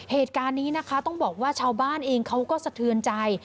เหตุการณ์นี้นะคะต้องบอกว่าชาวบ้านเองเขาก็สะเทือนใจ